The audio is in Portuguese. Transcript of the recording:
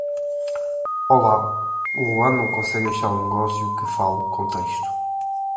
Olá, o Ruan não consegue achar um negócio que fala com texto.